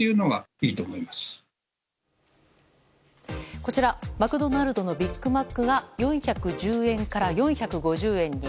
こちらマクドナルドのビッグマックが４１０円から４５０円に。